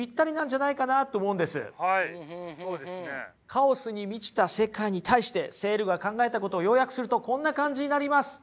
カオスに満ちた世界に対してセールが考えたことを要約するとこんな感じになります。